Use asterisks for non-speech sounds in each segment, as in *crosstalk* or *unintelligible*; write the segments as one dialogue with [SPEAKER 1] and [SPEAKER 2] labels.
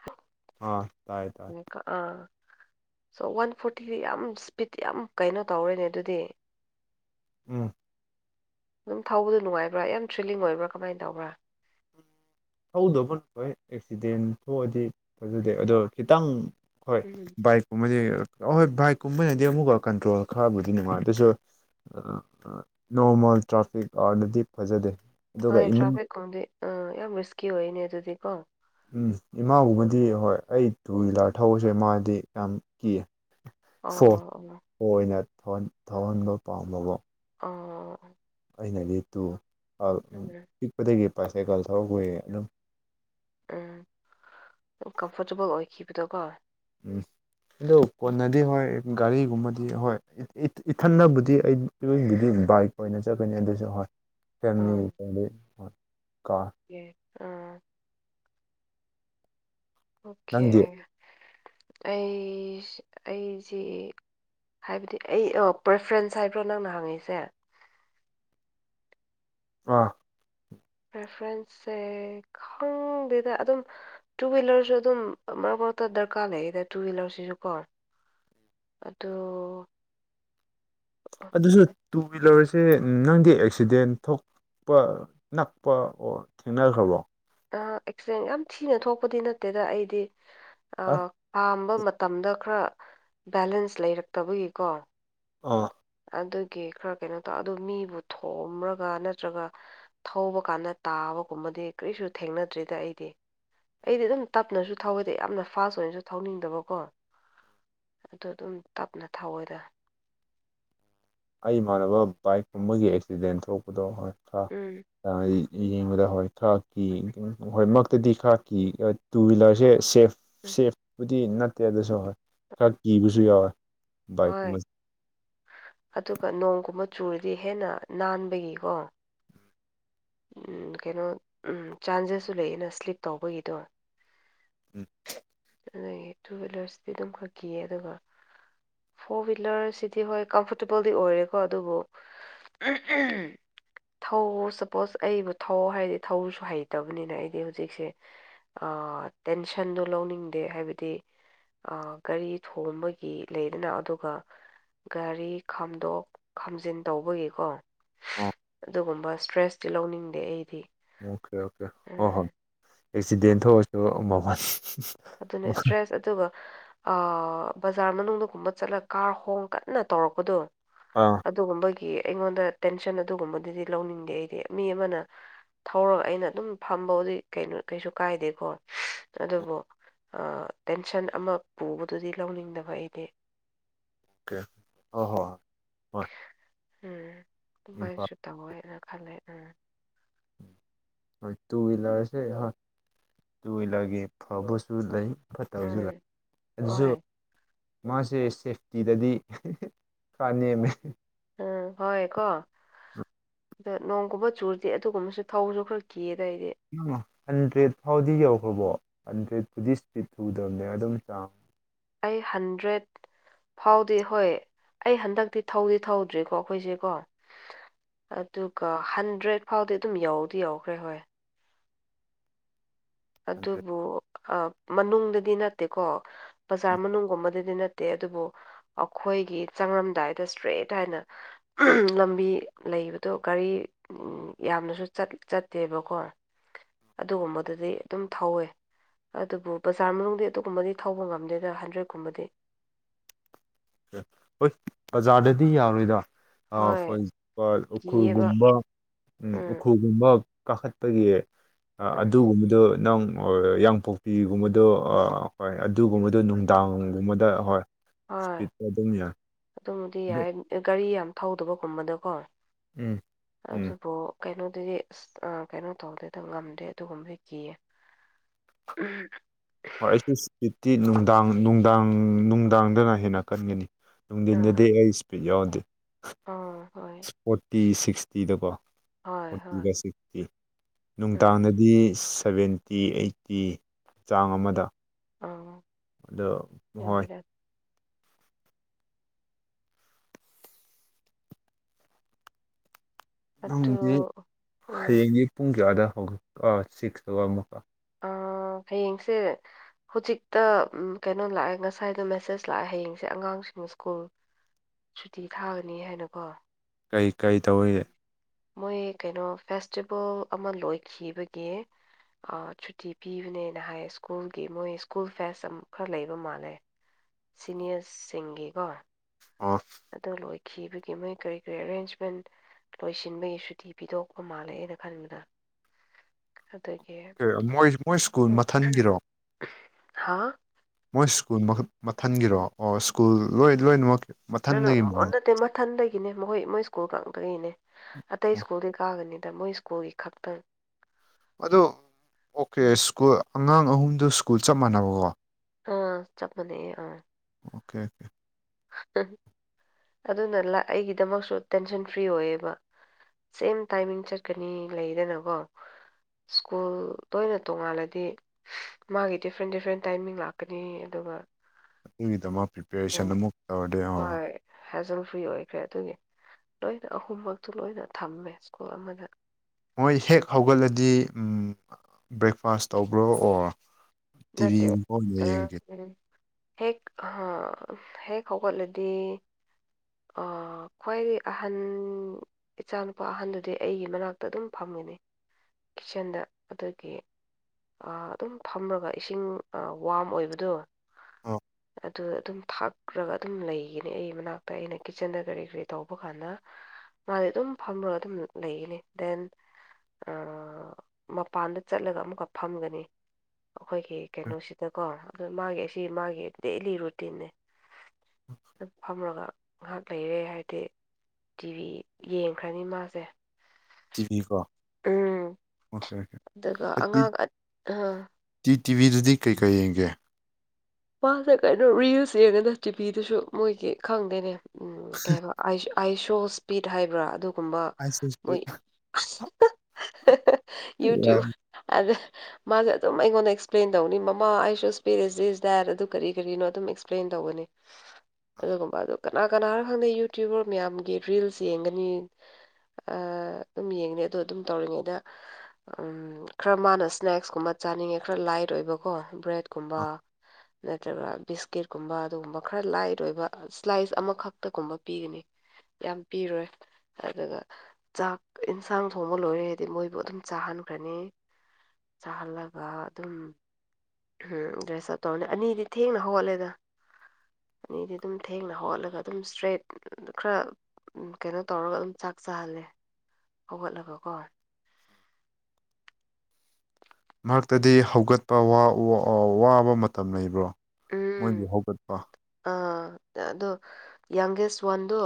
[SPEAKER 1] ꯍ
[SPEAKER 2] ꯑ ꯇꯥꯏ ꯇꯥꯏ
[SPEAKER 1] ꯑꯥ ꯁꯣ ꯋꯥꯟ ꯐꯣꯔꯇꯤꯗꯤ ꯌꯥꯝ ꯁ꯭ꯄꯤꯠ ꯌꯥꯝ ꯀꯩꯅꯣ ꯇꯧꯔꯦꯅꯦ ꯑꯗꯨꯗꯤ
[SPEAKER 2] ꯎꯝ
[SPEAKER 1] ꯑꯗꯨꯝ ꯊꯧꯕꯗ ꯅꯨꯡꯉꯥꯏꯕ꯭ꯔꯥ ꯌꯥꯝ ꯊ꯭ꯔꯤꯂꯤꯡ ꯑꯣꯏꯕ꯭ꯔꯥ ꯀꯃꯥꯏꯅ ꯇꯧꯕ꯭ꯔꯥ
[SPEAKER 2] ꯊꯗꯕꯨ ꯍꯣꯏ ꯑꯦꯛꯁꯤꯗꯦꯟ ꯊꯣꯛꯑꯗꯤ ꯐꯖꯗꯦ ꯑꯗꯣ ꯈꯤꯇꯪ ꯍꯣꯏ
[SPEAKER 1] ꯎꯝ
[SPEAKER 2] ꯏꯛ ꯀꯨꯝꯕꯗꯤ ꯑ ꯍꯣꯏ ꯕꯥꯏꯛ ꯀꯨꯝꯕꯅꯗꯤ ꯑꯃꯨꯛꯀ ꯀꯟꯇ꯭ꯔꯣꯜ ꯈꯔꯕꯨꯗꯤ ꯅꯨꯡꯉꯥꯏ ꯑꯗꯨꯁꯨ ꯅꯣꯔꯃꯜ ꯇ꯭ꯔꯥꯐꯤꯛ ꯑꯥꯔꯗꯗꯤ ꯐꯖꯗꯦ ꯑꯗꯨꯒ
[SPEAKER 1] ꯍꯣꯏ
[SPEAKER 2] ꯏꯃꯨꯡ
[SPEAKER 1] ꯇ꯭ꯔꯥꯐꯤꯛꯀꯥꯎꯗꯤ ꯌꯥꯝ ꯔꯤꯁꯀꯤ ꯑꯣꯏꯅꯦ ꯑꯗꯨꯗꯤꯀꯣ
[SPEAKER 2] ꯎꯝ ꯏꯃꯥꯕꯨꯕꯗꯤ ꯍꯣꯏ ꯑꯩ ꯇꯨ ꯍ꯭ꯋꯤꯂꯥꯔ ꯊꯧꯕꯁꯦ ꯏꯃꯥꯗꯤ ꯌꯥꯝ ꯀꯤꯌꯦ ꯐꯣꯟ
[SPEAKER 1] ꯑꯣ ꯑꯣ
[SPEAKER 2] ꯑꯣꯏꯅ ꯊꯧꯍꯟꯕ ꯄꯥꯝꯕꯕꯨ
[SPEAKER 1] ꯑ
[SPEAKER 2] ꯑꯩꯅ ꯂꯤ ꯇꯨ
[SPEAKER 1] ꯎꯝ
[SPEAKER 2] ꯄꯤꯛꯄꯗꯒꯤ ꯄꯕꯥꯥꯏꯁꯥꯏꯀꯜ ꯊꯧꯔꯛꯄꯏ ꯑꯗꯨꯝ
[SPEAKER 1] ꯎꯝ ꯀꯝꯐꯣꯔꯇꯦꯕꯜ ꯑꯣꯏꯈꯤꯕꯗꯣꯀꯣ
[SPEAKER 2] ꯎꯝ ꯑꯗꯣ
[SPEAKER 1] ꯎꯝ
[SPEAKER 2] ꯀꯣꯟꯅꯗꯤ ꯍꯣꯏ ꯒꯥꯔꯤꯒꯨꯝꯕꯗꯤ ꯍꯣꯏ ꯏꯊꯟꯗꯕꯨꯗꯤ ꯑꯩ ꯏꯣꯏꯕꯨꯗꯤ ꯕꯥꯏꯛ ꯑꯣꯏꯅ ꯆꯠꯀꯅꯤ ꯑꯗꯨꯁꯨ ꯍꯣꯏ ꯐꯦꯃꯤꯅꯤ ꯀꯥ
[SPEAKER 1] ꯑꯣꯦ ꯑꯥ ꯑꯣꯀꯦ
[SPEAKER 2] ꯅꯪꯗꯤ
[SPEAKER 1] ꯑꯩ ꯑꯩꯁꯤ ꯍꯥꯏꯕꯗꯤ ꯑꯩ ꯄ꯭ꯔꯦꯐ꯭ꯔꯦꯟꯁ ꯍꯥꯏꯕ꯭ꯔꯣ ꯅꯪꯅ ꯍꯪꯉꯏꯁꯦ
[SPEAKER 2] ꯑꯥ
[SPEAKER 1] ꯄ꯭ꯔꯦꯐ꯭ꯔꯦꯟꯁꯁꯦ ꯈꯪꯗꯦꯗ ꯑꯗꯨꯝ ꯇꯨ ꯍꯋꯤꯂꯔꯁꯨ ꯑꯗꯨꯝ ꯃꯔꯛ ꯃꯔꯛꯇ ꯗꯔꯀꯥꯔ ꯂꯩꯗ ꯇꯨ ꯍꯋꯤꯂꯔꯁꯤꯁꯨ ꯀꯣ ꯑꯣ
[SPEAKER 2] ꯑꯗꯨꯁꯨ ꯇꯨ ꯋꯤꯂꯔꯁꯦ ꯅꯪꯗꯤ ꯑꯦꯛꯁꯤꯗꯦꯟ ꯊꯣꯛ ꯅꯛꯄ ꯅꯛꯄ ꯑꯣ ꯊꯦꯡꯅꯈ꯭ꯔꯕꯣ
[SPEAKER 1] ꯑꯦꯛꯁꯤꯗꯦꯟ ꯌꯥꯝ ꯊꯤꯅ ꯊꯣꯛꯄꯗꯤ ꯅꯠꯇꯦꯗ ꯑꯩꯗꯤ
[SPEAKER 2] ꯑ
[SPEAKER 1] ꯄꯥꯝꯕ ꯃꯇꯝꯗ ꯈꯔ ꯕꯦꯂꯦꯟꯁ ꯂꯩꯔꯛꯇꯕꯒꯤꯀꯣ
[SPEAKER 2] ꯑꯥ
[SPEAKER 1] ꯑꯗꯨꯒꯤ ꯈꯔ ꯀꯩꯅꯣ ꯇꯧ ꯑꯗꯨ ꯃꯤꯕꯨ ꯊꯣꯝꯔꯒ ꯅꯠꯇ꯭ꯔꯒ ꯊꯧꯕ ꯀꯥꯟꯗ ꯇꯥꯕꯒꯨꯝꯕꯗꯤ ꯀꯔꯤꯁꯨ ꯊꯦꯡꯅꯗ꯭ꯔꯤꯗ ꯑꯩꯗꯤ ꯑꯩꯗꯤ ꯑꯗꯨꯝ ꯇꯞꯅꯁꯨ ꯊꯧꯋꯦꯗ ꯌꯥꯝꯅ ꯐꯥꯁ ꯑꯣꯏꯅꯁꯨ ꯊꯧꯅꯤꯡꯗꯕꯀꯣ ꯑꯗꯨ ꯑꯗꯨꯝ ꯇꯞꯅ ꯊꯑꯣꯏꯗ
[SPEAKER 2] ꯑꯩ ꯏꯃꯥꯟꯅꯕ ꯕꯥꯏꯛꯀꯨꯝꯕꯒꯤ ꯑꯦꯛꯁꯤꯗꯦꯟ ꯊꯣꯛꯄꯗꯣ ꯍꯣꯏ ꯈ
[SPEAKER 1] ꯎꯝ
[SPEAKER 2] ꯗꯤ ꯌꯦꯡꯕꯗ ꯍꯈꯣꯏ ꯊꯥꯛꯀꯤ ꯑꯩꯣꯏ ꯃꯛꯇꯗꯤ ꯈꯔ ꯀꯤ ꯇꯨ ꯋꯤꯂꯔꯁꯦ ꯁꯦꯐ
[SPEAKER 1] ꯎꯝ
[SPEAKER 2] ꯁꯦꯞꯄꯨꯗꯤ ꯅꯠꯇꯦ ꯑꯗꯨꯁꯨ ꯍꯣꯏ ꯈꯔ ꯀꯤꯕꯁꯨ ꯌꯥꯎꯋꯦ
[SPEAKER 1] ꯍꯣꯏ
[SPEAKER 2] ꯕꯥꯏꯛꯀꯨꯝꯕ
[SPEAKER 1] ꯑꯗꯨꯒ ꯅꯣꯡꯒꯨꯝꯕ ꯆꯨꯔꯗꯤ ꯍꯦꯟꯅ ꯅꯥꯟꯕꯒꯤꯀꯣ ꯀꯩꯅꯣꯝ ꯆꯥꯟꯖꯦꯁꯁꯨ ꯂꯩꯌꯦꯅ ꯁ꯭ꯂꯤꯞ ꯇꯧꯕꯒꯤꯗꯣ
[SPEAKER 2] ꯎꯝ
[SPEAKER 1] ꯑꯗꯒꯤ ꯇꯨ ꯍ꯭ꯋꯤꯂꯔꯁꯇꯤ ꯑꯗꯨꯝ ꯈꯔ ꯀꯤꯌꯦ ꯑꯗꯨꯒ ꯐꯣꯔ ꯭ꯋꯤꯂꯔꯁꯤꯗꯤ ꯍꯣꯏ ꯀꯝꯐꯣꯔꯇꯦꯕꯜꯗꯤ ꯑꯣꯏꯔꯦꯀꯣ ꯑꯗꯨꯕꯨ ꯎꯝ ꯎꯝ ꯊꯧ ꯁꯄꯣꯁ ꯑꯩꯕꯨ ꯊꯧ ꯍꯥꯏꯔꯗꯤ ꯊꯧꯁꯨ ꯍꯩꯇꯕꯅꯤꯅ ꯑꯩꯗꯤ ꯍꯧꯖꯤꯛꯁꯦ ꯇꯦꯟꯁꯟꯗꯣ ꯂꯧꯅꯤꯡꯗꯦ ꯍꯥꯏꯕꯗꯤ ꯒꯥꯔꯤ ꯊꯣꯡꯕꯒꯤ ꯂꯩꯗꯅ ꯑꯗꯨꯒ ꯒꯥꯔꯤ ꯈꯥꯝꯗꯣꯛ ꯈꯥꯝꯖꯤꯟ ꯇꯧꯕꯒꯤꯀꯣ
[SPEAKER 2] ꯑ
[SPEAKER 1] ꯑꯗꯨꯒꯨꯝꯕ ꯁ꯭ꯇ꯭ꯔꯦꯁꯇꯤ ꯂꯧꯅꯤꯡꯗꯦ ꯑꯩꯗꯤ
[SPEAKER 2] ꯑꯣ ꯑꯣꯀꯦ ꯑꯣꯀꯦ ꯍꯣꯏ
[SPEAKER 1] ꯎꯝ
[SPEAKER 2] ꯍꯣꯏ ꯑꯦꯛꯁꯤꯗꯦꯟ ꯊꯣꯛ ꯑꯣꯏꯑꯁꯨ ꯃꯃꯅꯤ
[SPEAKER 1] ꯑꯗꯨꯅ ꯏꯁꯇ꯭ꯔꯦꯁ ꯑꯗꯨꯒ ꯕꯖꯥꯔ ꯃꯅꯨꯡꯗꯒꯨꯝꯕ ꯆꯠꯂꯒ ꯀꯥꯔ ꯍꯣꯡ ꯀꯟꯅ ꯇꯧꯔꯛꯄꯗꯣ
[SPEAKER 2] ꯑꯥ
[SPEAKER 1] ꯑꯗꯨꯒꯨꯝꯕꯒꯤ ꯑꯩꯉꯣꯟꯗ ꯇꯦꯟꯁꯟ ꯑꯗꯨꯒꯨꯝꯕꯗꯨꯗꯤ ꯂꯧꯅꯤꯡꯗꯦ ꯑꯩꯗꯤ ꯃꯤ ꯑꯃꯅ ꯊꯧꯔꯒ ꯑꯩꯅ ꯑꯗꯨꯝ ꯐꯝꯕꯕꯨꯗꯤ ꯀꯩꯅꯣ ꯀꯩꯁꯨ ꯀꯥꯏꯗꯦꯀꯣ ꯑꯗꯨꯕꯨ ꯇꯦꯟꯁꯟ ꯑꯃ ꯄꯨꯕꯗꯨꯗꯤ ꯂꯧꯅꯤꯡꯗꯕ ꯑꯩꯗꯤ
[SPEAKER 2] ꯑꯣꯀꯦ ꯑꯣ ꯍꯣꯏ ꯍꯣꯏ
[SPEAKER 1] ꯎꯝ
[SPEAKER 2] ꯏꯝꯐꯥꯜ
[SPEAKER 1] ꯑꯗꯨꯃꯥꯏꯅꯁꯨ ꯇꯧꯏꯅ ꯈꯜꯂꯦ ꯎꯝ
[SPEAKER 2] ꯍꯣꯏ ꯇꯨ ꯋꯤꯂꯔꯁꯦ ꯑꯥ ꯇꯨ ꯋꯤꯂꯔꯒꯤ ꯐꯕꯁꯨ ꯂꯩ ꯐꯠꯇꯕꯖꯨ ꯂꯩ
[SPEAKER 1] ꯎꯝ ꯍꯣꯏ
[SPEAKER 2] ꯃꯥꯁꯦ ꯁꯦꯐꯇꯤꯗꯗꯤ ꯀꯥ ꯅꯦꯝꯃꯦ
[SPEAKER 1] ꯎꯝ ꯍꯣꯏ ꯀꯣ ꯑꯗ ꯅꯣꯡꯒꯨꯝꯕ ꯆꯨꯗꯦ ꯑꯗꯨꯒꯨꯝꯕꯁꯨ ꯊꯧꯁꯨ ꯈꯔ ꯀꯤꯌꯦꯗ ꯑꯩꯗꯤ
[SPEAKER 2] ꯍꯟꯗ꯭ꯔꯦꯠ ꯐꯥꯎꯗꯤ ꯌꯧꯈ꯭ꯔꯕꯣ ꯍꯟꯗ꯭ꯔꯦꯠꯄꯨꯗꯤ ꯏꯁꯇ꯭ꯔꯤꯠ ꯊꯨꯗꯕꯅꯦ ꯑꯗꯨꯝ ꯆ
[SPEAKER 1] ꯑꯩ ꯍꯟꯗ꯭ꯔꯦꯠ ꯐꯥꯎꯗꯤ ꯍꯣꯏ ꯑꯩ ꯍꯟꯗꯛꯇꯤ ꯊꯧꯗꯤ ꯊꯧꯗ꯭ꯔꯤꯀꯣ ꯑꯈꯣꯏꯖꯦꯀꯣ ꯑꯗꯨꯒ ꯍꯟꯗ꯭ꯔꯦꯠ ꯐꯥꯎꯗꯤ ꯑꯗꯨꯝ ꯌꯥꯎꯗꯤ ꯌꯥꯎꯈ꯭ꯔꯦ ꯍꯣꯏ
[SPEAKER 2] ꯍꯟꯗ꯭ꯔꯦꯠ
[SPEAKER 1] ꯑꯗꯨꯕꯨ ꯑꯥ ꯃꯅꯨꯡꯗꯗꯤ ꯅꯠꯇꯦꯀꯣ ꯕꯖꯥꯔ ꯃꯅꯨꯡꯒꯨꯝꯕꯗꯗꯤ ꯅꯠꯇꯦ ꯑꯗꯨꯕꯨ ꯑꯩꯈꯣꯏꯒꯤ ꯆꯪꯉꯝꯗꯥꯏꯗ ꯏꯁꯇ꯭ꯔꯦꯠ ꯍꯥꯏꯅ ꯎꯝ ꯂꯝꯕꯤ ꯂꯩꯕꯗꯣ ꯒꯥꯔꯤ ꯌꯥꯝꯅꯁꯨ ꯆꯠ ꯆꯠꯇꯦꯕꯀꯣ ꯑꯗꯨꯒꯨꯝꯕꯗꯨꯗꯤ ꯑꯗꯨꯝ ꯊꯧꯋꯦ ꯑꯗꯨꯕꯨ ꯕꯖꯥꯔ ꯃꯅꯨꯡꯗꯗꯤ ꯑꯗꯨꯒꯨꯝꯕꯗꯤ ꯊꯧꯕ ꯉꯝꯗꯦꯗ ꯍꯟꯗ꯭ꯔꯦꯗꯀꯨꯝꯕꯗꯤ
[SPEAKER 2] ꯍꯣꯏ ꯕꯖꯥꯔꯗꯗꯤ ꯌꯥꯔꯣꯏꯗ ꯑꯥ
[SPEAKER 1] ꯍꯣꯏ
[SPEAKER 2] ꯐꯣꯔ ꯑꯦꯛꯖꯥꯝꯄꯜ
[SPEAKER 1] ꯀꯤꯌꯦꯕ
[SPEAKER 2] ꯎꯈ꯭ꯔꯨꯒꯨꯝꯕ ꯎꯝ ꯎꯈ꯭ꯔꯨꯒꯨꯝꯕ ꯀꯥꯈꯠꯄꯒꯤ
[SPEAKER 1] ꯎꯝ
[SPEAKER 2] ꯑꯗꯨꯒꯨꯝꯕꯗꯨ ꯅꯪ ꯑꯣ ꯌꯥꯡꯄꯣꯛꯄꯤꯒꯨꯝꯕꯗꯣ ꯍꯣꯏ ꯑꯗꯨꯒꯨꯝꯕꯗꯣ ꯅꯨꯡꯗꯥꯡꯒꯨꯝꯕꯗ ꯍꯣꯏ
[SPEAKER 1] ꯍꯣꯏ
[SPEAKER 2] ꯏꯁꯄꯤꯠꯇ ꯑꯗꯨꯝ ꯌꯥꯏ
[SPEAKER 1] ꯑꯗꯨꯕꯨꯗꯤ
[SPEAKER 2] ꯑꯗꯨ
[SPEAKER 1] ꯌꯥꯏ ꯒꯥꯔꯤ ꯌꯥꯝ ꯊꯧꯗꯕ ꯒꯨꯝꯕꯗꯀꯣ
[SPEAKER 2] ꯎꯝ ꯎꯝ
[SPEAKER 1] ꯑꯗꯨꯕꯨ ꯀꯩꯅꯣꯗꯨꯗꯤ ꯑꯁ ꯑꯥ ꯀꯩꯅꯣ ꯇꯧꯗꯦꯗ ꯉꯝꯗꯦ ꯑꯗꯨꯒꯨꯝꯕꯒꯤ ꯎꯝ ꯍꯨꯝ ꯎꯝ
[SPEAKER 2] ꯍꯣꯏ ꯑꯩꯁꯨ ꯏꯁꯄꯤꯠꯇꯤ ꯅꯨꯡꯗꯥꯡ ꯅꯨꯡꯗꯥꯡ ꯅꯨꯡꯗꯥꯡꯗꯅ ꯍꯦꯟꯅ ꯀꯟꯒꯅꯤ
[SPEAKER 1] ꯑꯥ
[SPEAKER 2] ꯅꯨꯡꯊꯤꯟꯗꯗꯤ ꯑꯩ ꯏꯁꯄꯤꯠ ꯌꯥꯎꯗꯦ
[SPEAKER 1] ꯑꯥ ꯍꯣꯏ
[SPEAKER 2] ꯐꯣꯔꯇꯤ ꯁꯤꯛꯁꯇꯤꯗꯀꯣ
[SPEAKER 1] ꯍꯣꯏ ꯍꯣꯏ
[SPEAKER 2] ꯐꯣꯔꯇꯤꯒ ꯁꯤꯛꯁꯇꯤ ꯅꯨꯡꯗꯥꯡꯗꯗꯤ ꯁꯕꯦꯟꯇꯤ ꯑꯩꯠꯇꯤ ꯆꯥꯡ ꯑꯃꯗ
[SPEAKER 1] ꯑꯣ
[SPEAKER 2] ꯑꯗꯣ ꯍꯣꯏ
[SPEAKER 1] ꯑꯗꯨ
[SPEAKER 2] ꯅꯨꯡꯗꯤ
[SPEAKER 1] ꯎꯝ
[SPEAKER 2] ꯍꯌꯦꯡꯒꯤ ꯄꯨꯡ ꯀꯌꯥꯗ ꯍꯧꯒ ꯁꯤꯛꯁꯇ ꯑꯃꯨꯛꯀ
[SPEAKER 1] ꯑ ꯍꯌꯦꯡꯁꯦ ꯍꯧꯖꯤꯛꯇ ꯀꯩꯅꯣ ꯂꯥꯛꯑꯦ ꯉꯁꯥꯏꯗꯣ ꯃꯦꯁꯦꯖ ꯂꯥꯛꯑꯦ ꯍꯌꯦꯡꯁꯦ ꯑꯉꯥꯡꯁꯤꯡ ꯁ꯭ꯀꯨꯜ ꯁꯨꯇꯤ ꯊꯥꯒꯅꯤ ꯍꯥꯏꯅꯀꯣ
[SPEAKER 2] ꯀꯩ ꯀꯩ ꯇꯧꯕꯒꯤ
[SPEAKER 1] ꯃꯣꯏ ꯀꯩꯅꯣ ꯐꯦꯁꯇꯤꯚꯦꯜ ꯑꯃ ꯂꯣꯏꯈꯤꯕꯒꯤ ꯁꯨꯇꯤ ꯄꯤꯕꯅꯦꯅ ꯍꯥꯏꯌꯦ ꯁ꯭ꯀꯨꯜꯒꯤ ꯃꯣꯏ ꯁ꯭ꯀꯨꯜ ꯐꯦꯁ ꯑꯃꯨ ꯈꯔ ꯂꯩꯕ ꯃꯥꯜꯂꯦ ꯁꯤꯅꯤꯌꯔꯁ ꯁꯤꯡꯒꯤꯀꯣ
[SPEAKER 2] ꯑꯣ
[SPEAKER 1] ꯑꯗꯨ ꯂꯣꯏꯈꯤꯕꯒꯤ ꯃꯣꯏ ꯀꯔꯤ ꯀꯔꯤ ꯑꯦꯔꯦꯟꯖꯃꯦꯟ ꯂꯣꯏꯁꯤꯟꯕꯒꯤ ꯁꯨꯇꯤ ꯄꯤꯊꯣꯛꯄ ꯃꯥꯜꯂꯦ ꯑꯩꯅ ꯈꯟꯕꯗ
[SPEAKER 2] *unintelligible*
[SPEAKER 1] ꯑꯗꯒꯤ
[SPEAKER 2] ꯑꯣꯦ ꯃꯣꯏ ꯃꯣꯏ ꯁ꯭ꯀꯨꯜ ꯃꯊꯟꯒꯤꯔꯣ
[SPEAKER 1] ꯎꯝ ꯍꯥꯥ
[SPEAKER 2] ꯃꯣꯏ ꯁ꯭ꯀꯨꯜ ꯃꯈ ꯃꯊꯟꯒꯤꯔꯣ ꯑꯣ ꯁ꯭ꯀꯨꯜ ꯂꯣꯏ ꯂꯣꯏꯅꯃꯛ
[SPEAKER 1] ꯅꯪꯅ
[SPEAKER 2] ꯃꯊꯟꯗꯒꯤ
[SPEAKER 1] ꯅꯠꯇꯦ ꯃꯊꯟꯗꯒꯤꯅꯦ ꯃꯈꯣꯏ ꯃꯣꯏ ꯁ꯭ꯀꯨꯜ ꯀꯥꯡꯗꯒꯤꯅꯦ ꯑꯇꯩ ꯁ꯭ꯀꯨꯜꯗꯤ ꯀꯥꯒꯅꯤꯗ ꯃꯣꯏ ꯁ꯭ꯀꯨꯜꯒꯤ ꯈꯛꯇꯪ
[SPEAKER 2] ꯑꯗꯨ ꯑꯣꯀꯦ
[SPEAKER 1] ꯎꯝ
[SPEAKER 2] ꯁ꯭ꯀꯨꯜ ꯑꯉꯥꯡ ꯑꯍꯨꯝꯗꯨ ꯁ꯭ꯀꯨꯜ ꯆꯞ ꯃꯥꯟꯅꯕꯀꯣ
[SPEAKER 1] ꯎꯪ ꯆꯠꯄꯅꯤ ꯑꯥ
[SPEAKER 2] ꯑꯣꯀꯦ ꯑꯣꯀꯦ
[SPEAKER 1] ꯑꯗꯨꯅ ꯑꯩꯒꯤꯗꯃꯛꯁꯨ ꯇꯦꯟꯁꯟ ꯐ꯭ꯔꯤ ꯑꯣꯏꯌꯦꯕ ꯁꯦꯝ ꯇꯥꯏꯃꯤꯡ ꯆꯠꯀꯅꯤ ꯂꯩꯗꯅꯀꯣ ꯁ꯭ꯀꯨꯜ ꯂꯣꯏꯅ ꯇꯣꯡꯉꯥꯟꯜꯂꯗꯤ ꯃꯥꯒꯤ ꯗꯤꯐ꯭ꯔꯦꯟ ꯗꯤꯐ꯭ꯔꯦꯟ ꯇꯥꯏꯃꯤꯡ ꯂꯥꯛꯀꯅꯤ ꯑꯗꯨꯒ
[SPEAKER 2] ꯃꯇꯨꯡꯒꯤꯗ ꯃꯥ
[SPEAKER 1] ꯎꯝ
[SPEAKER 2] ꯄ꯭ꯔꯤꯄꯦꯔꯦꯁꯟ ꯑꯃꯨꯛ ꯇꯧꯔꯗꯤ ꯑꯣ
[SPEAKER 1] ꯍꯣꯏ ꯍꯦꯖꯜ ꯐ꯭ꯔꯤ ꯑꯣꯏꯈ꯭ꯔꯦ ꯑꯗꯨꯒꯤ ꯂꯣꯏꯅ ꯑꯍꯨꯝꯃꯛꯇꯨ ꯂꯣꯏꯅ ꯊꯝꯃꯦ ꯁ꯭ꯀꯨꯜ ꯑꯃꯗ
[SPEAKER 2] ꯃꯣꯏ ꯍꯦꯛ ꯍꯧꯒꯠꯂꯗꯤ ꯎꯝ ꯕ꯭ꯔꯦꯛꯐꯥꯁ ꯇꯧꯕ꯭ꯔꯣ ꯑꯣ ꯇꯤꯚꯤ
[SPEAKER 1] ꯅꯠꯇꯦ
[SPEAKER 2] ꯒꯨꯝꯕꯝ ꯌꯦꯡꯖꯦ
[SPEAKER 1] ꯎꯝ ꯍꯦꯛ ꯍꯥ ꯍꯦꯛ ꯍꯧꯒꯠꯂꯗꯤ ꯈ꯭ꯋꯥꯏꯗꯒꯤ ꯑꯍꯟ ꯏꯆꯥꯅꯨꯄꯥ ꯑꯍꯟꯗꯨꯗꯤ ꯑꯩꯒꯤ ꯃꯅꯥꯛꯇ ꯑꯗꯨꯝ ꯐꯝꯒꯅꯤ ꯀꯤꯠꯆꯟꯗ ꯑꯗꯨꯒꯤ ꯑꯗꯨꯝ ꯐꯝꯃꯒ ꯏꯁꯤꯡ ꯋꯥꯔꯝ ꯑꯣꯏꯕꯗꯣ
[SPEAKER 2] ꯑꯣ
[SPEAKER 1] ꯑꯗꯨ ꯑꯗꯨꯝ ꯊꯥꯛ꯭ꯈꯔꯥꯒ ꯑꯗꯨꯝ ꯂꯩꯒꯅꯤ ꯑꯩ ꯃꯅꯥꯛꯇ ꯑꯩꯅ ꯀꯤꯠꯆꯟꯗ ꯀꯔꯤ ꯀꯔꯤ ꯇꯧꯕ ꯀꯥꯟꯗ ꯃꯥꯗꯤ ꯑꯗꯨꯝ ꯐꯝꯃꯒ ꯑꯗꯨꯝ ꯂꯩꯒꯅꯤ ꯗꯦꯟ ꯑꯥ ꯃꯄꯥꯟꯗ ꯆꯠꯂꯒ ꯑꯃꯨꯛꯀ ꯐꯝꯒꯅꯤ ꯑꯈꯣꯏꯒꯤ ꯀꯩꯅꯣꯁꯤꯗꯀꯣ ꯑꯗꯨ ꯃꯥꯒꯤ ꯑꯁꯤ ꯃꯥꯒꯤ ꯗꯦꯂꯤ ꯔꯨꯇꯤꯟꯅꯦ ꯗꯨꯝ ꯐꯝꯔꯒ ꯉꯍꯥꯛ ꯂꯩꯔꯦ ꯍꯥꯏꯔꯗꯤ ꯇꯤꯚꯤ ꯌꯦꯡꯈ꯭ꯔꯅꯤ ꯃꯥꯖꯦ
[SPEAKER 2] ꯇꯤꯚꯤ ꯀꯣ
[SPEAKER 1] ꯎꯝ
[SPEAKER 2] ꯑꯣꯀꯦ
[SPEAKER 1] ꯑꯗꯨꯒ ꯑꯉꯥꯡ ꯑꯠ ꯑꯥ
[SPEAKER 2] ꯖꯤ ꯇꯤꯚꯤꯗꯨꯗꯤ ꯀꯩꯀꯩ ꯌꯦꯡꯒꯦ
[SPEAKER 1] ꯃꯥꯁꯦ ꯀꯩꯅꯣ ꯔꯤꯜꯁ ꯌꯦꯡꯉꯗ ꯇꯤꯚꯤꯗꯨꯁꯨ ꯃꯣꯏꯒꯤ ꯈꯪꯗꯦꯅꯦ ꯎꯝ ꯀꯩꯑꯕ ꯑꯩꯁꯨ ꯑꯥꯏꯁꯣ ꯁ꯭ꯄꯤꯠ ꯍꯥꯏꯕ꯭ꯔꯥ ꯑꯗꯨꯒꯨꯝꯕ ꯃꯣꯏ ꯌꯨꯇ꯭ꯌꯨꯨꯞꯕ ꯑꯗ ꯃꯥꯁꯦ ꯑꯗꯨꯝ ꯑꯩꯉꯣꯟꯗ ꯑꯦꯛꯁꯄ꯭ꯂꯦꯟ ꯇꯧꯅꯤ ꯃꯃꯥ ꯑꯥꯏꯁꯣꯁ ꯄꯦꯔꯦꯁ ꯇꯔ ꯑꯗꯨ ꯀꯔꯤ ꯀꯔꯤꯅꯣ ꯑꯗꯨꯝ ꯑꯦꯛꯁꯄ꯭ꯂꯦꯟ ꯇꯧꯕꯅꯦ ꯑꯗꯨꯒꯨꯝꯕ ꯑꯗꯨ ꯀꯅꯥ ꯀꯅꯥꯅꯔꯣ ꯈꯪꯗꯦ ꯌꯨꯇ꯭ꯌꯨꯕꯔ ꯃꯌꯥꯝꯒꯤ ꯔꯤꯜꯁ ꯌꯦꯡꯒꯅꯤ ꯑꯗꯨꯝ ꯌꯦꯡꯅꯦ ꯑꯗꯣ ꯑꯗꯨꯝ ꯇꯧꯔꯤꯉꯩꯗ ꯎ ꯈꯔ ꯃꯥꯅ ꯏꯁ꯭ꯅꯦꯛꯁꯀꯨꯝꯕ ꯆꯥꯅꯤꯡꯉꯦ ꯈꯔ ꯂꯥꯏꯠ ꯑꯣꯏꯕꯀꯣ ꯕ꯭ꯔꯦꯗꯀꯨꯝꯕ ꯅꯠꯇ꯭ꯔꯒ ꯕꯤꯁꯀꯤꯠꯀꯨꯝꯕ ꯑꯗꯨꯒꯨꯝꯕ ꯈꯔ ꯂꯥꯏꯠ ꯑꯣꯏꯕ ꯁ꯭ꯂꯥꯏꯁ ꯑꯃꯈꯛꯇꯒꯨꯝꯕ ꯄꯤꯒꯅꯤ ꯌꯥꯝ ꯄꯤꯔꯣꯏ ꯑꯗꯨꯒ ꯆꯥꯛ ꯏꯟꯁꯥꯡ ꯊꯣꯡꯕ ꯂꯣꯏꯔꯦꯗꯤ ꯃꯣꯏꯕꯨ ꯑꯗꯨꯝ ꯆꯥꯍꯟꯈ꯭ꯔꯅꯤ ꯆꯥꯍꯜꯂꯒ ꯑꯗꯨꯝ ꯎꯝ ꯗ꯭ꯔꯦꯁ ꯑꯞ ꯇꯧꯔꯅꯤ ꯑꯅꯤꯗꯤ ꯊꯦꯡꯅ ꯍꯧꯒꯠꯂꯦꯗ ꯑꯅꯤꯗꯤ ꯑꯗꯨꯝ ꯊꯦꯡꯅ ꯍꯧꯒꯠꯂꯒ ꯑꯗꯨꯝ ꯏꯁꯇ꯭ꯔꯦꯠ ꯈꯔ ꯎꯝ ꯀꯩꯅꯣ ꯇꯧꯔꯒ ꯑꯗꯨꯝ ꯆꯥꯛ ꯆꯥꯍꯜꯂꯦ ꯍꯧꯒꯠꯂꯒꯀꯣ
[SPEAKER 2] ꯃꯔꯛꯇꯗꯤ ꯍꯧꯒꯠꯄ ꯋꯥ ꯋꯥ ꯑꯥ ꯋꯥꯕ ꯃꯇꯝ ꯂꯩꯕ꯭ꯔꯣ ꯃꯣꯏꯒꯤ
[SPEAKER 1] ꯎꯝ
[SPEAKER 2] ꯍꯧꯒꯠꯄ
[SPEAKER 1] ꯑꯥ ꯑꯗꯣ ꯌꯥꯪꯒꯦꯁ ꯋꯥꯟꯗꯣ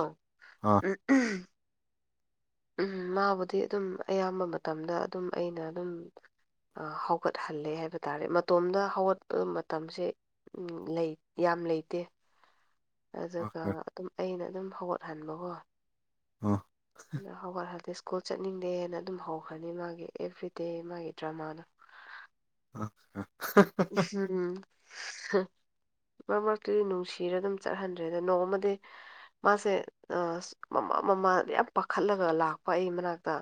[SPEAKER 2] ꯑꯥ
[SPEAKER 1] ꯎ ꯎꯝ ꯃꯥꯕꯨꯗꯤ ꯑꯗꯨꯝ ꯑꯌꯥꯝꯕ ꯃꯇꯝꯗ ꯑꯗꯨꯝ ꯑꯩꯅ ꯑꯗꯨꯝ ꯑꯥ ꯍꯧꯒꯠ ꯍꯜꯂꯦ ꯍꯥꯏꯕ ꯇꯥꯔꯦ ꯃꯇꯣꯝꯗ ꯍꯧꯒꯠꯄꯗ ꯃꯇꯝꯁꯦ ꯎꯝ ꯂꯩ ꯌꯥꯝ ꯂꯩꯇꯦ ꯑꯗꯨꯒ
[SPEAKER 2] ꯑꯣꯀꯦ
[SPEAKER 1] ꯑꯗꯨꯝ ꯑꯩꯅ ꯑꯗꯨꯝ ꯍꯧꯒꯠꯍꯟꯕꯀꯣ
[SPEAKER 2] ꯑꯥ
[SPEAKER 1] ꯑꯗꯣ ꯍꯧꯒꯠꯍꯜꯂꯦ ꯁ꯭ꯀꯨꯜ ꯆꯠꯅꯤꯡꯗꯦꯅ ꯑꯗꯨꯝ ꯍꯧꯈ꯭ꯔꯅꯤ ꯃꯥꯒꯤ ꯑꯦꯕ꯭ꯔꯤꯗꯦ ꯃꯥꯒꯤ ꯗ꯭ꯔꯃꯥꯗꯣ
[SPEAKER 2] ꯑ *inaudible*
[SPEAKER 1] ꯍꯨꯝ ꯍꯨꯝ ꯍꯥ ꯃꯔꯛ ꯃꯔꯛꯇꯨꯗꯤ ꯅꯨꯡꯁꯤꯔ ꯑꯗꯨꯝ ꯆꯠꯍꯟꯗ꯭ꯔꯦꯗ ꯅꯣꯡꯃꯗꯤ ꯃꯥꯁꯦ ꯃꯃꯥ ꯃꯃꯥ ꯌꯥꯝ ꯄꯥꯈꯠꯂꯒ ꯂꯥꯛꯄ ꯑꯩ ꯃꯅꯥꯛꯇ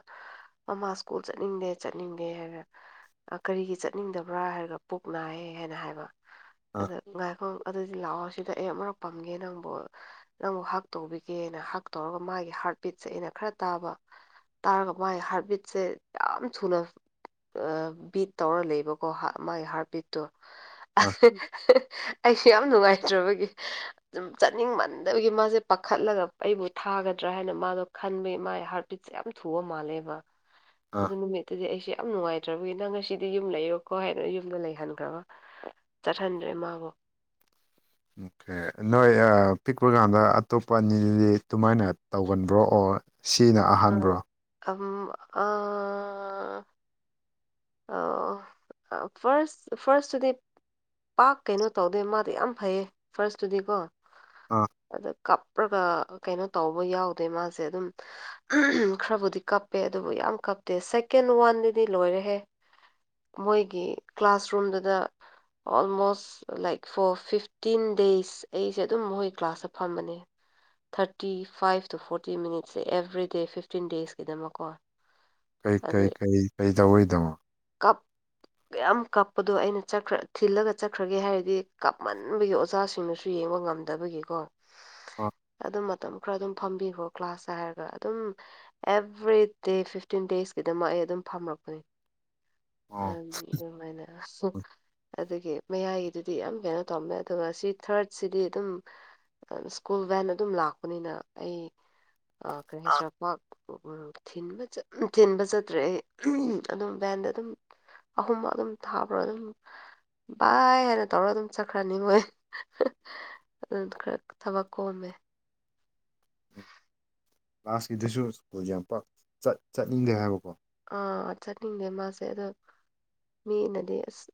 [SPEAKER 1] ꯃꯃꯥ ꯁ꯭ꯀꯨꯜ ꯆꯠꯅꯤꯡꯗꯦ ꯆꯠꯅꯤꯡꯗꯦ ꯍꯥꯏꯔ ꯀꯔꯤꯒꯤ ꯆꯠꯅꯤꯡꯗꯕ꯭ꯔꯥ ꯍꯥꯏꯔꯒ ꯄꯨꯛ ꯅꯥꯏꯌꯦ ꯍꯥꯏꯅ ꯍꯥꯏꯕ
[SPEAKER 2] ꯑꯥ
[SPEAKER 1] ꯑꯗ ꯉꯥꯏꯈꯣꯡ ꯑꯗꯨꯗꯤ ꯂꯥꯛꯑꯣꯁꯤꯗ ꯑꯩ ꯑꯃꯔꯛ ꯄꯪꯒꯦ ꯅꯪꯕꯨ ꯅꯪꯕꯨ ꯍꯛ ꯇꯧꯕꯤꯒꯦꯅ ꯍꯛ ꯇꯧꯔꯒ ꯃꯥꯒꯤ ꯍꯥꯔꯠ ꯕꯤꯠꯁꯦ ꯑꯩꯅ ꯈꯔ ꯇꯥꯕ ꯇꯥꯔꯒ ꯃꯥꯏ ꯍꯥꯔꯠꯕꯤꯠꯁꯦ ꯌꯥꯝ ꯊꯨꯅ ꯕꯤꯠ ꯇꯧꯔ ꯂꯩꯕꯀꯣ ꯃꯥꯒꯤ ꯍꯥꯔꯕꯤꯠꯇꯣ
[SPEAKER 2] ꯑꯥ
[SPEAKER 1] ꯑꯩꯁꯨ ꯌꯥꯝ ꯅꯨꯡꯉꯥꯏꯇ꯭ꯔꯕꯒꯤ ꯁꯨꯝ ꯆꯥꯅꯤꯡꯃꯟꯗꯕꯒꯤ ꯃꯥꯁꯦ ꯄꯥꯈꯠꯂꯒ ꯑꯩꯕꯨ ꯊꯥꯒꯗ꯭ꯔꯥ ꯍꯥꯏꯅ ꯃꯥꯗꯣ ꯈꯟꯕꯒꯤ ꯃꯥꯒꯤ ꯍꯥꯔ ꯕꯤꯠꯁꯦ ꯌꯥꯝ ꯊꯨꯕ ꯃꯥꯜꯂꯦ ꯃꯥ ꯑꯗꯨ ꯅꯨꯃꯤꯠꯇꯨꯗꯤ ꯑꯩꯁꯦ ꯌꯥꯝ ꯅꯨꯡꯉꯥꯏꯇ꯭ꯔꯕꯒꯤ ꯅꯪ ꯉꯁꯤꯗꯤ ꯌꯨꯝ ꯂꯩꯔꯣꯀꯣ ꯍꯥꯏ ꯌꯨꯝ ꯂꯩꯍꯟꯈ꯭ꯔꯕ ꯆꯠꯍꯟꯗ꯭ꯔꯦ ꯃꯥꯕꯨ
[SPEAKER 2] ꯑꯣꯀꯦ ꯅꯣꯏ ꯄꯤꯛꯄ ꯀꯥꯟꯗ ꯑꯇꯣꯞꯄ ꯑꯅꯤꯗꯨꯗꯤ ꯑꯗꯨꯃꯥꯏꯅ ꯇꯧꯒꯟꯕ꯭ꯔꯣ ꯑꯣ ꯁꯤꯅ ꯑꯍꯥꯟꯕ꯭ꯔꯣ
[SPEAKER 1] ꯑꯝ ꯑ ꯑ ꯑꯣ ꯐꯥꯔꯁ ꯐꯥꯔꯁꯇꯨꯗꯤ ꯄꯥꯛ ꯀꯩꯅꯣ ꯇꯧꯗꯦ ꯃꯥꯗꯤ ꯌꯥꯝ ꯐꯩꯌꯦ ꯐꯥꯔꯁꯇꯨꯗꯤꯀꯣ
[SPEAKER 2] ꯑꯥ
[SPEAKER 1] ꯑꯗ ꯀꯞ ꯀꯥꯞꯔꯒ ꯀꯩꯅꯣ ꯇꯧꯕ ꯌꯥꯎꯗꯦ ꯃꯥꯁꯦ ꯑꯗꯨꯝ ꯈꯔꯕꯨꯗꯤ ꯀꯞꯄꯦ ꯑꯗꯨꯕꯨ ꯌꯥꯝ ꯀꯞꯇꯦ ꯁꯦꯀꯦꯟ ꯋꯥꯟꯗꯨꯗꯤ ꯂꯣꯏꯔꯦꯍꯦ ꯃꯣꯏꯒꯤ ꯀ꯭ꯂꯥꯁꯔꯨꯝꯗꯨꯗ almost like four fifteen days ꯑꯩꯁꯦ ꯑꯗꯨꯝ ꯃꯣꯏ ꯀ꯭ꯂꯥꯁꯇ ꯐꯝꯕꯅꯦ ꯊꯥꯔꯇꯤ ꯐꯥꯏꯚ ꯇꯨ ꯐꯣꯔꯇꯤ ꯃꯤꯅꯤꯠꯁꯦ ꯑꯦꯕ꯭ꯔꯤꯗꯦ ꯐꯤꯐꯇꯤꯟ ꯗꯦꯁꯀꯤꯗꯃꯛꯀꯣ
[SPEAKER 2] ꯀꯩ ꯀꯩ ꯀꯩ ꯀꯩ ꯇꯧꯕꯩꯅꯣ
[SPEAKER 1] ꯀꯞ ꯀꯌꯥꯝ ꯀꯥꯞꯄꯗꯣ ꯑꯩꯅ ꯆꯠꯈ꯭ꯔ ꯊꯤꯜꯂꯒ ꯆꯠꯈ꯭ꯔꯒꯦ ꯍꯥꯏꯔꯗꯤ ꯀꯥꯞꯃꯟꯕꯒꯤ ꯑꯣꯖꯥꯁꯤꯡꯅꯁꯨ ꯌꯦꯡꯕ ꯉꯝꯗꯦ ꯉꯥꯝꯗꯕꯒꯤꯀꯣ
[SPEAKER 2] ꯍ *inaudible*
[SPEAKER 1] ꯑꯗꯨꯝ ꯃꯇꯝ ꯈꯔ ꯑꯗꯨꯝ ꯐꯝꯕꯤꯈꯣ ꯀ꯭ꯂꯥꯁꯇ ꯍꯥꯏꯔꯒ ꯑꯗꯨꯝ ꯑꯦꯕ꯭ꯔꯤꯗꯦ ꯐꯤꯞꯇꯤꯟ ꯗꯦꯖꯀꯤꯗꯃꯛ ꯑꯩ ꯑꯗꯨꯝ ꯐꯝꯔꯛꯄꯅꯤ
[SPEAKER 2] ꯑꯣ
[SPEAKER 1] ꯑꯗꯨꯝꯃꯥꯢꯅ ꯑꯗꯨꯒꯤ ꯃꯌꯥꯏꯒꯤꯗꯨꯗꯤ ꯌꯥꯝ ꯕꯦꯔꯥ ꯇꯧꯃꯦ ꯑꯗꯨꯒ ꯁꯤ ꯊꯥꯔꯠꯁꯤꯗꯤ ꯑꯗꯨꯝ ꯁ꯭ꯀꯨꯜ ꯚꯦꯟ ꯑꯗꯨꯝ ꯂꯥꯛꯄꯅꯤꯅ ꯑꯩ ꯈꯔ ꯍꯩꯁ꯭ꯔꯥ ꯄꯥꯛ ꯊꯤꯟꯕ ꯆꯠꯇ꯭ꯔꯦ ꯑꯩ ꯑꯗꯨꯝ ꯚꯦꯟꯗ ꯑꯗꯨꯝ ꯑꯍꯨꯝꯃꯛ ꯑꯗꯨꯝ ꯊꯥꯕ꯭ꯔꯣ ꯑꯗꯨꯝ ꯚꯏ ꯍꯥꯏꯅ ꯇꯧꯔ ꯑꯗꯨꯝ ꯆꯠꯈ꯭ꯔꯅꯤ ꯃꯣꯏ ꯑꯗꯨ ꯈꯔ ꯊꯕꯛ ꯀꯣꯝꯃꯦ
[SPEAKER 2] ꯂꯥꯁꯀꯤꯗꯨꯁꯨ ꯁ꯭ꯀꯨꯜꯁꯦ ꯌꯥꯝ ꯄꯥꯛ ꯆꯠꯅꯤꯡꯗꯦ ꯍꯥꯏꯕꯀꯣ
[SPEAKER 1] ꯑꯥ ꯆꯠꯅꯤꯡꯗꯦ ꯃꯥꯁꯦ ꯑꯗꯣ ꯃꯤꯅꯗꯤ ꯑꯁ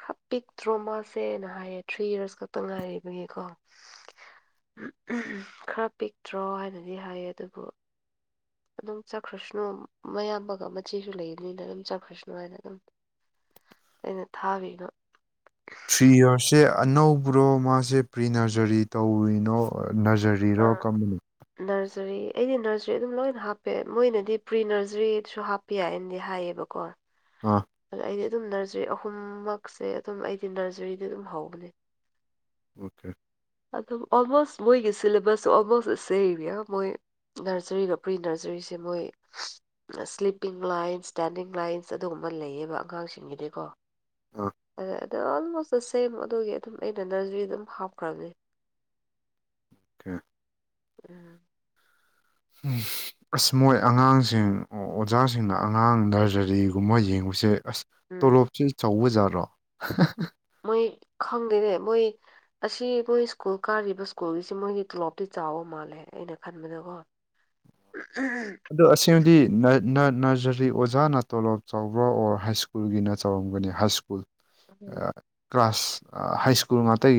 [SPEAKER 1] ꯈꯔ ꯄꯤꯛꯛꯇ꯭ꯔꯣ ꯃꯥꯁꯦꯅ ꯍꯥꯏꯌꯦ ꯊ꯭ꯔꯤ ꯌꯔꯁ ꯈꯛꯇ ꯉꯥꯏꯔꯤꯕꯒꯤꯀꯣ ꯈꯔ ꯄꯤꯛꯇ꯭ꯔꯣ ꯍꯥꯏꯅꯗꯤ ꯍꯥꯏꯌꯦ ꯑꯗꯨꯕꯨ ꯑꯗꯨꯝ ꯆꯠꯈ꯭ꯔꯁꯅꯨ ꯃꯌꯥꯝꯕꯒ ꯃꯆꯦꯁꯨ ꯂꯩꯕꯅꯤꯅ ꯑꯗꯨꯝ ꯆꯠꯈ꯭ꯔꯁꯅꯨ ꯍꯥꯏꯅ ꯑꯗꯨꯝ ꯑꯩꯅ ꯊꯥꯕꯤꯕ
[SPEAKER 2] ꯊ꯭ꯔꯤ ꯌꯔꯁꯁꯦ ꯑꯅꯧꯕ꯭ꯔꯣ ꯃꯥꯁꯦ ꯄ꯭ꯔꯤ ꯅꯔꯖꯔꯤ ꯇꯧꯔꯤꯅꯣ ꯅꯔꯖꯔꯤ ꯕ꯭ꯔꯤꯔꯣ
[SPEAKER 1] ꯑꯥ
[SPEAKER 2] ꯀꯔꯝꯕꯅꯣ
[SPEAKER 1] ꯅꯔꯖꯔꯤ ꯑꯩꯗꯤ ꯅꯔꯖꯔꯤ ꯑꯗꯨꯝ ꯂꯣꯏꯅ ꯍꯥꯞꯄꯦ ꯃꯣꯏꯅꯗꯤ ꯄ꯭ꯔꯤ ꯅꯔꯖꯔꯤꯁꯨ ꯍꯥꯞꯄ ꯄꯤ ꯑꯥꯏ ꯑꯦꯝꯗꯤ ꯍꯥꯏꯌꯦꯕꯀꯣ
[SPEAKER 2] ꯑꯥ
[SPEAKER 1] ꯑ ꯑꯩꯗꯤ ꯑꯗꯨꯝ ꯅꯔꯖꯔꯤ ꯑꯍꯨꯝꯃꯛꯁꯦ ꯑꯗꯨꯝ ꯑꯩꯗꯤ ꯅꯔꯖꯔꯤꯗꯤ ꯑꯗꯨꯝ ꯍꯧꯕꯅꯦ
[SPEAKER 2] ꯑꯣꯀꯦ
[SPEAKER 1] ꯑꯗꯨ ꯑꯣꯜꯃꯣꯁ ꯃꯣꯏꯒꯤ ꯁꯤꯂꯦꯕꯁꯁꯨ ꯑꯣꯜꯃꯣꯁ ꯁꯦꯝ ꯃꯣꯏ ꯅꯔꯁꯔꯤꯒ ꯄ꯭ꯔꯤ ꯅꯔꯁꯔꯤꯁꯦ ꯃꯣꯏ ꯁ꯭ꯂꯤꯞꯄꯤꯡ ꯂꯥꯏꯟꯁ ꯏꯁꯇꯦꯟꯗꯤꯡ ꯂꯥꯏꯟꯁ ꯑꯗꯨꯒꯨꯝꯕ ꯂꯩꯌꯦꯕ ꯑꯉꯥꯡꯁꯤꯡꯒꯤꯗꯤꯀꯣ
[SPEAKER 2] ꯑꯥ
[SPEAKER 1] ꯑꯗ ꯑꯗꯨ ꯑꯣꯜꯃꯣꯁꯇ ꯁꯦꯝ ꯑꯗꯨꯒꯤ ꯑꯗꯨꯝ ꯑꯩꯅ ꯅꯔꯖꯔꯤ ꯑꯗꯨꯝ ꯍꯥꯞꯈ꯭ꯔꯕꯅꯦ
[SPEAKER 2] ꯎꯝ *inaudible*
[SPEAKER 1] ꯎꯝ
[SPEAKER 2] ꯎꯝ ꯑꯁ ꯃꯣꯏ ꯑꯉꯥꯡꯁꯤꯡ ꯑꯣꯖꯥꯁꯤꯡꯅ ꯑꯉꯥꯡ ꯅꯔꯖꯔꯤꯒꯨꯝꯕ ꯌꯦꯡꯕꯁꯦ ꯑꯁ
[SPEAKER 1] ꯎꯝ
[SPEAKER 2] ꯇꯣꯂꯣꯞꯁꯤ ꯆꯥꯎꯕ ꯖꯥꯠꯔꯣ
[SPEAKER 1] ꯃꯣꯏ ꯈꯪꯗꯦꯅꯦ ꯃꯣꯏ ꯑꯁꯤ ꯑꯈꯣꯏ ꯁ꯭ꯀꯨꯜ ꯀꯥꯔꯤꯕ ꯁ꯭ꯀꯨꯜꯒꯤꯁꯤ ꯃꯣꯏꯒꯤ ꯇꯣꯂꯣꯞꯇꯤ ꯆꯥꯎꯕ ꯃꯥꯜꯂꯦ ꯑꯩꯅ ꯈꯟꯕꯗꯀꯣ
[SPEAKER 2] ꯑꯗꯣ ꯑꯁꯦꯡꯕꯗꯤ ꯅꯔꯖꯔꯤ ꯑꯣꯖꯥꯅ ꯇꯣꯂꯣꯞ ꯆꯥꯎꯕ꯭ꯔ ꯑꯣꯔ ꯍꯥꯏ ꯁ꯭ꯀꯨꯜꯒꯤ ꯆꯥꯎꯧꯔꯝꯒꯅꯤ high school
[SPEAKER 1] um
[SPEAKER 2] class high school ꯉꯇꯒꯤ